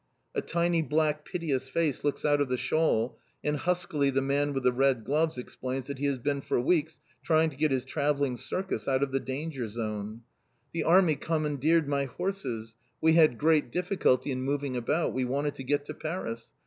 A tiny, black, piteous face looks out of the shawl, and huskily the man with the red gloves explains that he has been for weeks trying to get his travelling circus out of the danger zone. "The Army commandeered my horses. We had great difficulty in moving about. We wanted to get to Paris.